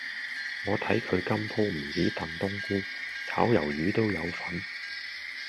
我睇佢今鋪唔止燉冬菇，炒魷魚都有份